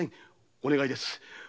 お願いです。